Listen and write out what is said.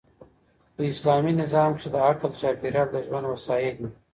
په اسلامي نظام کښي د عقل چاپېریال د ژوند وسایل يي.